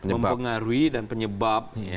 mempengaruhi dan penyebab